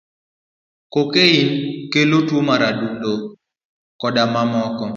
Cocaine kelo tuo mar adundo, koda mamoko.